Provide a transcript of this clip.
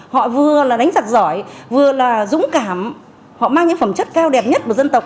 họ vừa là đánh giặc giỏi vừa là dũng cảm họ mang những phẩm chất cao đẹp nhất của dân tộc